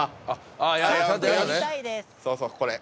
そうそうこれ。